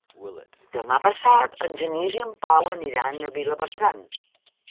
Demà passat en Genís i en Pau aniran a Vilabertran.